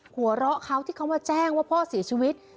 หัวเราะเขาที่เขามาแจ้งว่าพ่อเสียชีวิต